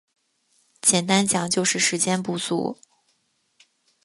简单讲就是时间不足